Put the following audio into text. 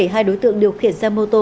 hai đối tượng điều khiển xe mô tô